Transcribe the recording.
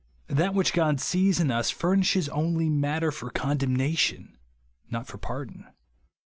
That which God sees in us furnishes only matter for condemnation, not for pardon.